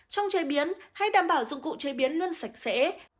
trong chế biến hay đảm bảo dụng cụ chế biến luôn sạch sẽ